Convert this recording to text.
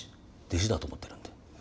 弟子だと思ってるんで。